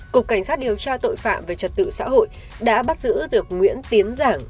cục cảnh sát điều tra tội phạm về trật tự xã hội đã bắt giữ được nguyễn tiến giảng